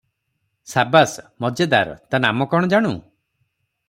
ସାବାସ! ମଜେଦାର! ତା’ ନାମ କ’ଣ ଜାଣୁ?